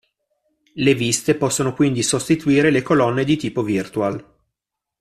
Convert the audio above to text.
Le viste possono quindi sostituire le colonne di tipo Virtual.